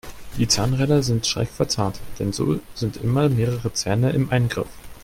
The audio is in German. Die Zahnräder sind schräg verzahnt, denn so sind immer mehrere Zähne im Eingriff.